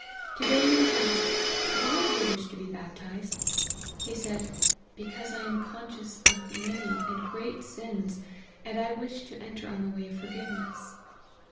To day he was asked, Why do you wish to be baptized ?' He said, * Because 1 am conscious of many and great sins, and I wish to enter on the way of forgiveness.'